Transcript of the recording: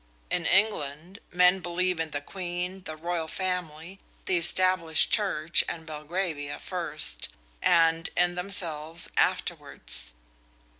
In England men believe in the Queen, the Royal Family, the Established Church, and Belgravia first, and in themselves afterwards.